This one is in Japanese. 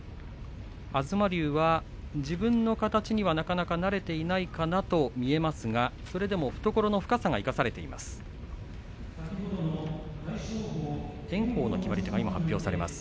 東龍は自分の形にはなかなかなれていないかなと見えますがそれでも懐の深さが生かされています。